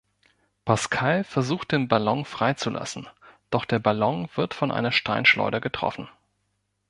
Pascal versucht den Ballon freizulassen, doch der Ballon wird von einer Steinschleuder getroffen.